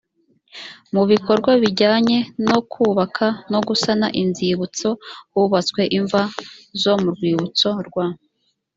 mu bikorwa bijyanye no kubaka no gusana inzibutso hubatswe imva zo mu rwibutso rwa